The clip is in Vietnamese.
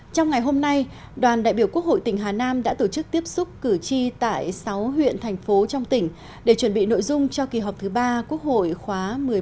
trong ngày hôm nay đoàn đại biểu quốc hội tỉnh hà nam đã tổ chức tiếp xúc cử tri tại sáu huyện thành phố trong tỉnh để chuẩn bị nội dung cho kỳ họp thứ ba quốc hội khóa một mươi bốn